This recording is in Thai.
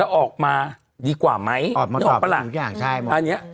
แล้วออกมาดีกว่าไหมออกมาตอบทุกอย่างใช่อันเนี้ย